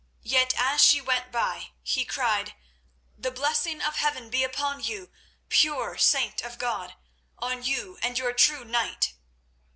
Yet as she went by he cried: "The blessing of Heaven be upon you, pure saint of God—on you and your true knight."